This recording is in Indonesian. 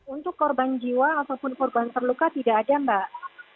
untuk korban jiwa ataupun korban terluka tidak ada mbak